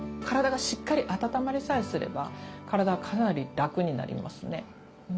体がしっかり温まりさえすれば体はかなり楽になりますね。